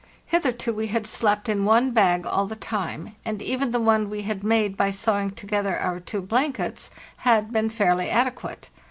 Hitherto we had slept in one bag all the time, and even the one we had made by sewing together our two blank ets had been fairly adequate.